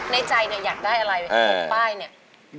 ในใจเนี่ยอยากได้อะไร๖ป้ายเนี่ย